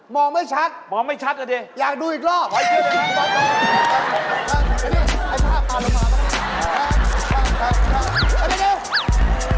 มองไม่ชัดอยากดูอีกรอบมาเย็นรึเปล่ามาเย็น